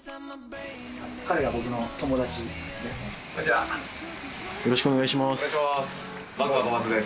彼が僕の友達です。